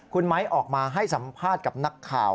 คุณไม้ออกมาให้สัมภาษณ์กับนักข่าว